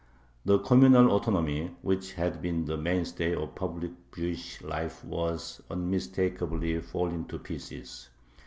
The communal autonomy, which had been the mainstay of public Jewish life, was unmistakably falling to pieces.